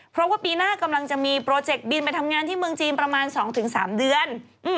เพราะว่าปีหน้ากำลังจะมีโปรเจกต์บินไปทำงานที่เมืองจีนประมาณ๒๓เดือน